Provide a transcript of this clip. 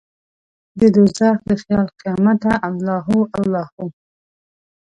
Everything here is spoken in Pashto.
ددوږخ د خیال قیامته الله هو، الله هو